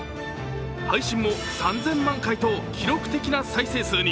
配信も３０００万回と、記録的な再生数に。